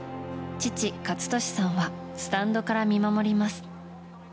父・健智さんはスタンドから見守ります。